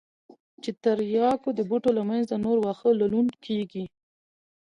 چې د ترياکو د بوټو له منځه نور واښه للون کېږي.